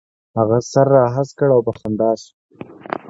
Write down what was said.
هغه سر را هسک کړ او په خندا شو.